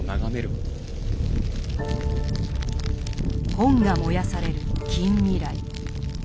本が燃やされる近未来。